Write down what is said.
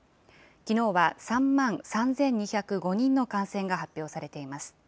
きのうは３万３２０５人の感染が発表されています。